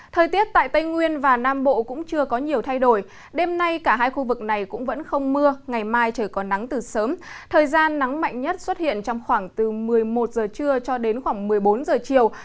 thời gian nắng mạnh nhất xuất hiện trong khoảng từ một mươi một h trưa cho đến khoảng một mươi bốn h chiều